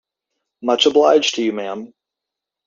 Much obliged to you, ma'am!